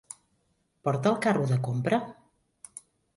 Porta el carro de compra?